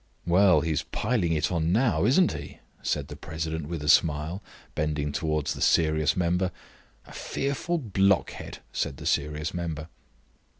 "Well, he is piling it on now, isn't he?" said the president with a smile, bending towards the serious member. "A fearful blockhead!" said the serious member.